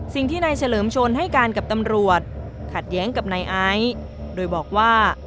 สิ่งที่นายเฉลิมชนให้การกับตำรวจขัดแย้งกับนายไอซ์โดยบอกว่า